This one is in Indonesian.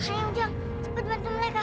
ayo ujang cepat bantu mereka